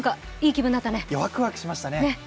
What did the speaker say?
ワクワクしましたね。